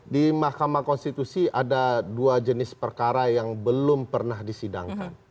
di mahkamah konstitusi ada dua jenis perkara yang belum pernah disidangkan